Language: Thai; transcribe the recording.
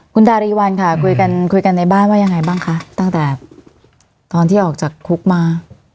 คุณดารีวันค่ะคุยกันคุยกันในบ้านว่ายังไงบ้างคะตั้งแต่ตอนที่ออกจากคุกมา